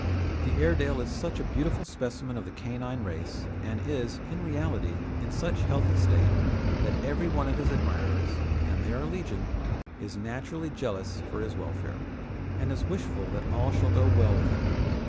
The Airedale is such a beautiful specimen of the canine race, and is, in reality, in such healthy state, that every one of his admirers and they are legion is naturally jealous for his welfare, and is wishful that all shall go well with him.